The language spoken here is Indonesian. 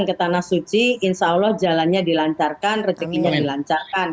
ke tanah suci insya allah jalannya dilancarkan rezekinya dilancarkan